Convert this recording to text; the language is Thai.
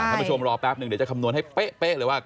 ท่านผู้ชมรอแป๊บนึงเดี๋ยวจะคำนวณให้เป๊ะเลยว่า